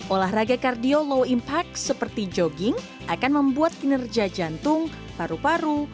olahraga kardio low impact seperti jogging akan membuat kinerja jantung paru paru